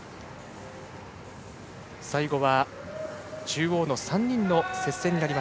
最後は中央の３人の接戦。